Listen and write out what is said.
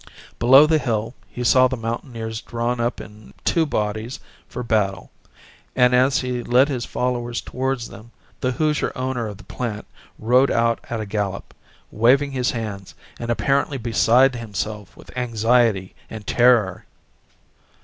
Below the hill, he saw the mountaineers drawn up in two bodies for battle and, as he led his followers towards them, the Hoosier owner of the plant rode out at a gallop, waving his hands and apparently beside himself with anxiety and terror.